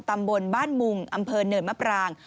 ตำบลบ้านมุงอำเภอเนินมะปราง